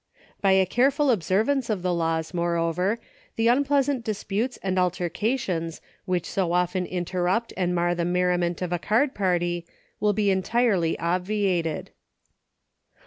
By a careful observance of the laws, moreover, the unpleasant disputes and alter cations which so often interrupt and mar the merriment of a card party, will be entirely obviated.